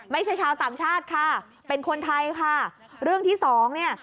ไม่ใช่ชาวต่างชาติค่ะเป็นคนไทยค่ะเรื่องที่สองเนี่ย